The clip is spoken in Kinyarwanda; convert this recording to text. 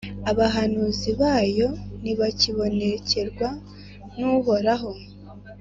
abahanuzi bayo ntibakibonekerwa n’Uhoraho!